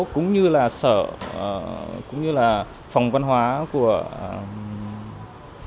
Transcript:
cũng như là sở phòng văn hóa của hà nội